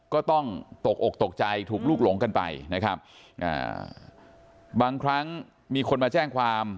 ก็ต้องตกอกตกใจถูกลูกหลงกันไปนะครับอ่าบางครั้งมีคนมาแจ้งความ